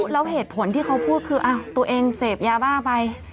แล้วเหตุผลที่เขาพูดคือตัวเองเสพยาบ้าไป